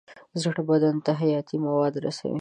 زړه بدن ته حیاتي مواد رسوي.